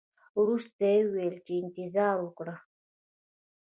ورسته یې وویل چې انتظار وکړئ.